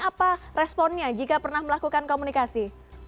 apa responnya jika pernah melakukan komunikasi